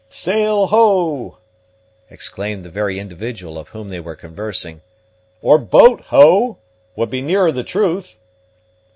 "Sail, ho!" exclaimed the very individual of whom they were conversing; "or boat, ho! would be nearer the truth."